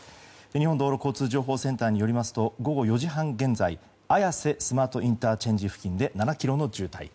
日本道路交通情報センターによりますと午後４時半現在綾瀬スマートＩＣ付近で７ｋｍの渋滞。